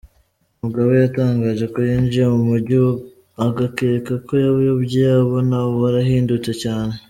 Mugabo yatangaje ko yinjiye mu mujyi agakeka ko yayobye, abona warahindutse cyane.